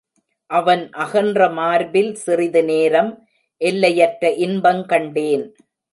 அவன் அகன்ற மார்பில் சிறிது நேரம் எல்லையற்ற இன்பங் கண்டேன்.